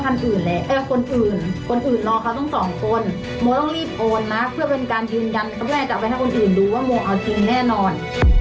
กลับไปให้คนอื่นรู้ว่าโมงเอาจริงแน่นอน